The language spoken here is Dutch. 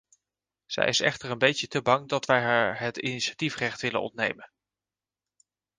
Zij is echter een beetje te bang dat wij haar het initiatiefrecht willen ontnemen.